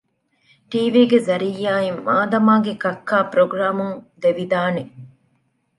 ޓީވީގެ ޒަރިއްޔާއިން މާދަމާގެ ކައްކާ ޕުރޮގްރާމުން ދެވިދާނެ